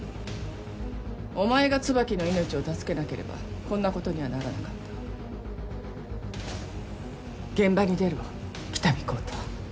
お前が椿の命を助けなければこんなことにはならなかった現場に出ろ喜多見幸太